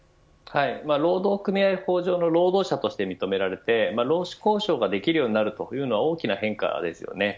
労働組合法上の労働者として認められて労使交渉ができるようになるというのは大きな変化です。